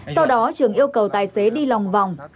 sau đó trường yêu cầu tài xế đi lòng vòng